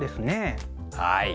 はい。